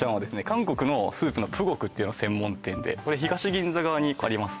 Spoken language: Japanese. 韓国のスープのプゴクっていうの専門店で東銀座側にあります